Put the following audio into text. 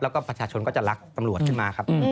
แล้วก็ประชาชนก็จะรักตำรวจขึ้นมาครับ